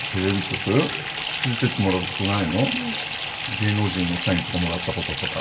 芸能人のサインとかもらったこととか？